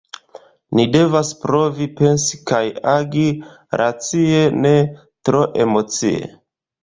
Ni devas provi pensi kaj agi racie, ne tro emocie.